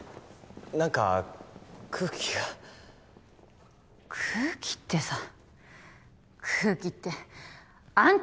なんか空気が空気ってさ空気ってあんた